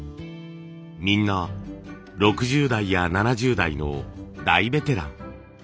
みんな６０代や７０代の大ベテラン。